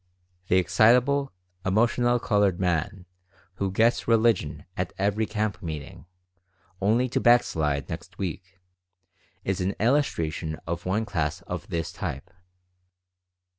The excitable, emotional 134 Mental Fascination colored man, who gets religion at every camp meeting, only to backslide next week, is an illustration of one class of this type.